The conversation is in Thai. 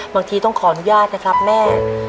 บางทีต้องขออนุญาตนะครับแม่